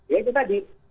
ya itu tadi